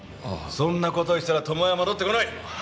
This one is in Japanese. そんな事言ってたら巴は戻ってこない！